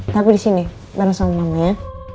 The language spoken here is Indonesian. tapi disini bareng sama mama ya